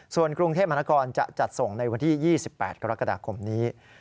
ส่วนกรุงเทพมหานครจะจัดส่งในวันที่๒๘กรกฎาคมนี้